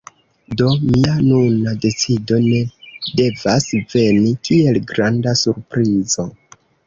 Do, mia nuna decido ne devas veni kiel granda surprizo.